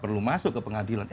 perlu masuk ke pengadilan